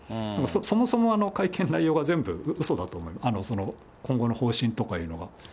そもそも会見の内容が全部うそだと、今後の方針とかいうのが。